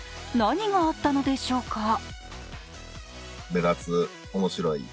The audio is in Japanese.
何があったのでしょうか？